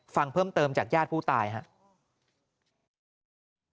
ฟังเพิ่มเติมจากญาติผู้ตายครับ